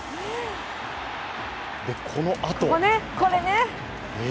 このあと。